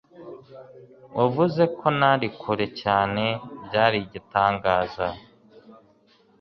Wavuze ko ntari kure cyane Byari igitangaza